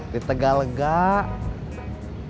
di tegak legak